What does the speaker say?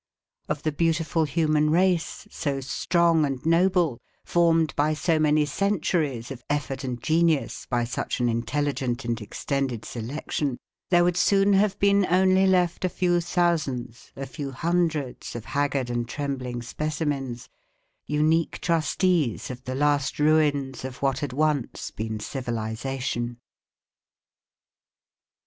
Of the beautiful human race, so strong and noble, formed by so many centuries of effort and genius by such an intelligent and extended selection, there would soon have been only left a few thousands, a few hundreds of haggard and trembling specimens, unique trustees of the last ruins of what had once been civilisation.